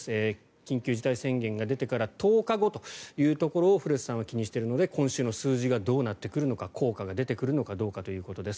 緊急事態宣言が出てから１０日後というところを古瀬さんは気にしてるので今週の数字がどうなってくるのか効果が出てくるのかどうかということです。